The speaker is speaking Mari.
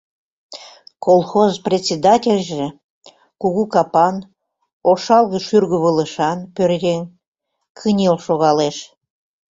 Колхоз председательже — кугу капан, ошалге шӱргывылышан пӧръеҥ — кынел шогалеш.